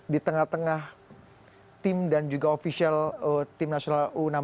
di tengah tengah tim dan juga ofisial tim nasional u enam belas